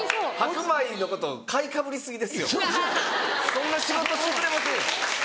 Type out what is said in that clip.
そんな仕事してくれませんよ。